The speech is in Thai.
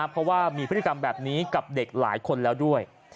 เพราะว่ามีพฤติกรรมแบบนี้กับเด็กหลายคนแล้วด้วย